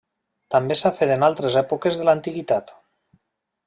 També s'ha fet en altres èpoques de l'antiguitat.